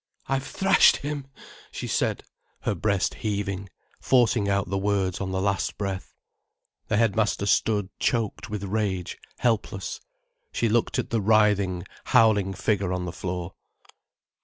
"I've thrashed him," she said, her breast heaving, forcing out the words on the last breath. The headmaster stood choked with rage, helpless. She looked at the writhing, howling figure on the floor.